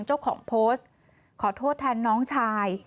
เจ้าของโพสต์ขอโทษแทนน้องชาย